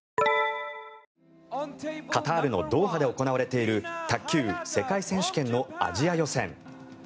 カタールのドーハで行われている卓球世界選手権のアジア予選。